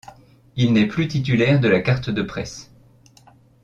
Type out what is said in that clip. Il n'est plus titulaire de la carte de presse.